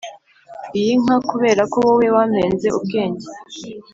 iyi nka kubera ko wowe wampenze ubwenge.